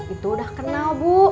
itu udah kenal bu